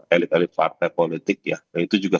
elit elit partai politik ya dan itu juga